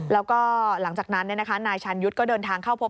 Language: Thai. แล้วก็หลังจากนั้นนายชาญยุทธ์ก็เดินทางเข้าพบ